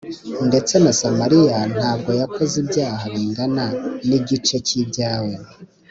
Ndetse na Samariya ntabwo yakoze ibyaha bingana n’igice cy’ibyawe